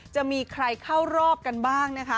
จะมีใครเข้ารอบกันบ้างนะคะ